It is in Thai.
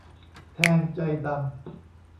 แทงใจดำ